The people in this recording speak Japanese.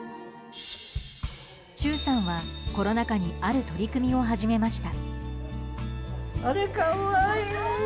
忠さんはコロナ禍にある取り組みを始めました。